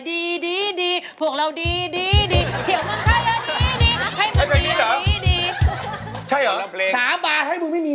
เดี๋ยวบอกให้ประชาชนเขารับรู้กันหน่อย